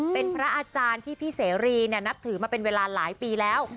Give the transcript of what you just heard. เป็นพระอาจารย์ที่พี่เสรีนับถือมาเป็นเวลาหลายปีแล้ว